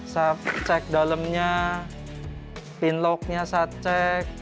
saya cek dalemnya pin lock nya saya cek